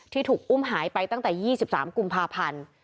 ถูกอุ้มหายไปตั้งแต่๒๓กุมภาพันธ์